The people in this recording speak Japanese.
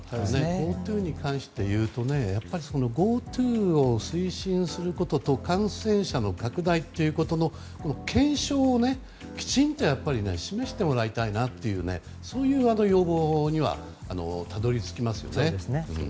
ＧｏＴｏに関していうとＧｏＴｏを推進することと感染者の拡大ということの検証をきちんと示してもらいたいなというねそういう要望にはたどり着きますよね。